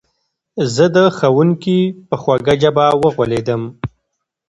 زه د ښوونکي په خوږه ژبه وغولېدم.